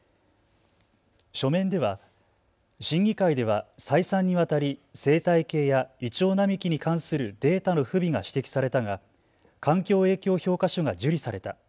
書面では審議会では再三にわたり生態系やイチョウ並木に関するデータの不備が指摘されたが環境影響評価書が受理された。